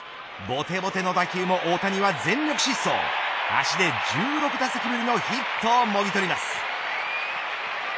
ぼてぼての打球も大谷は全力疾走足で１６打席ぶりのヒットをもぎ取ります。